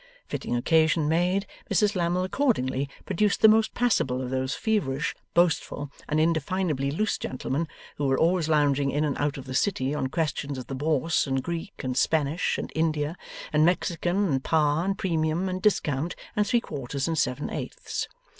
Fitting occasion made, Mrs Lammle accordingly produced the most passable of those feverish, boastful, and indefinably loose gentlemen who were always lounging in and out of the City on questions of the Bourse and Greek and Spanish and India and Mexican and par and premium and discount and three quarters and seven eighths.